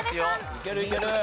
いけるいける！